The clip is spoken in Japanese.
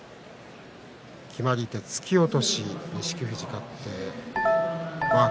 決まり手、突き落とし錦富士勝ちました。